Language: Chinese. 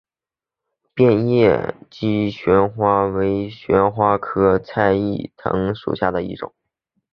变叶姬旋花为旋花科菜栾藤属下的一个种。